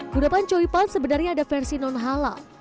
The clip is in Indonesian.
ke depan choy pan sebenarnya ada versi non hala